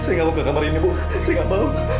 saya nggak mau ke kamar ini bu saya nggak mau